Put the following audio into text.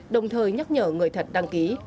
đồng thời nhắc nhở người thật đăng ký